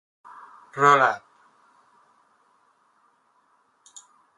Roll up!